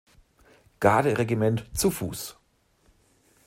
Garderegiment zu Fuß.